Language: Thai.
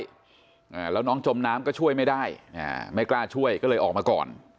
อ่าแล้วน้องจมน้ำก็ช่วยไม่ได้อ่าไม่กล้าช่วยก็เลยออกมาก่อน